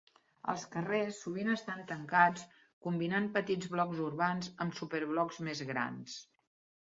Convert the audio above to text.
Els carrers sovint estan tancats, combinant petits blocs urbans amb super-blocs més grans.